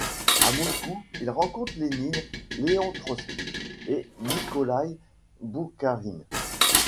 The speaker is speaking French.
À Moscou, il rencontre Lénine, Léon Trotski et Nikolaï Boukharine.